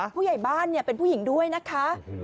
ผู้ใหญ่บ้านเป็นผู้หญิงด้วยนะคะ